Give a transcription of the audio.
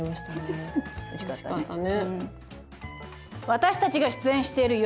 私たちが出演している夜